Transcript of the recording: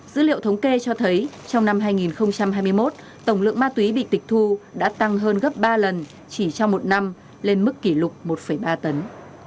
dữ liệu thống kê cho thấy trong năm hai nghìn hai mươi một tổng lượng ma túy bị tịch thu đã tăng hơn gấp ba lần chỉ trong một năm lên mức kỷ lục một ba tấn